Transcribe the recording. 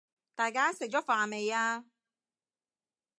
大家食咗飯未呀？